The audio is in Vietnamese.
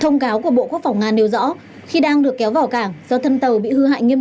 thông cáo của bộ quốc phòng nga nêu rõ khi đang được kéo vào cảng do thân tàu bị hư hại nghiêm